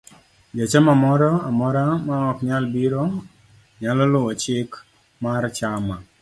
Jachamamoro amora ma ok nyal biro, nyalo luwo chik mar chama